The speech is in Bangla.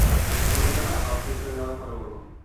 তুমিও না, সব শেষ হয়ে যাওয়ার পরে বলো।